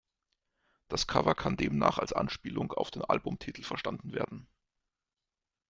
Das Cover kann demnach als Anspielung auf den Albumtitel verstanden werden.